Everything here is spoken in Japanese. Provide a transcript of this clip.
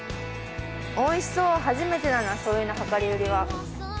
おいしそう初めてだなしょうゆの量り売りは。